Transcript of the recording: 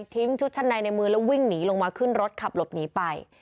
ชุดชั้นในในมือแล้ววิ่งหนีลงมาขึ้นรถขับหลบหนีไป